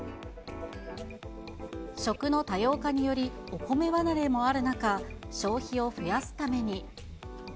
食の多様化により、お米離れもある中、消費を増やすために。